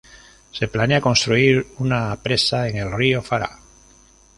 Se planea construir una presa en el río Farah.